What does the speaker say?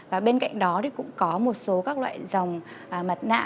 và bên cạnh đó thì cũng có một số các loại dòng mặt nạ